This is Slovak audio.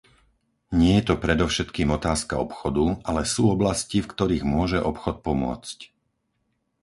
Nie je to predovšetkým otázka obchodu, ale sú oblasti, v ktorých môže obchod pomôcť.